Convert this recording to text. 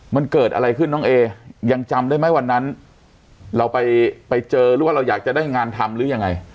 มันเกิดอะไรขึ้นน้องเอยังจำได้ไหมวันนั้นเราไปเจอหรือว่าเราอยากจะได้งานทำหรือยังไง